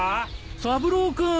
三郎君。